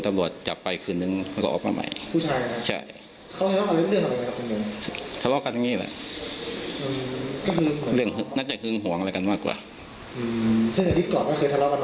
อ๋อทางเข้าหรือเปลี่ยนเดี๋ยวเรามานั้นแล้วตอนนั้นพวกเขาเอาบัวไปแล้ว